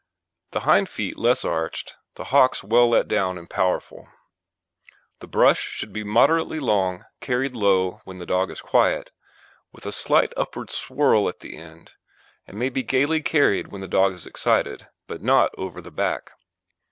The hind feet less arched, the hocks well let down and powerful. THE BRUSH should be moderately long carried low when the dog is quiet, with a slight upward "swirl" at the end, and may be gaily carried when the dog is excited, but not over the back.